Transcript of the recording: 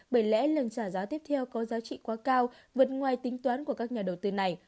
bởi lẽ lần trả giá tiếp theo có giá trị quá cao vượt ngoài tính toán của các nhà đầu tư này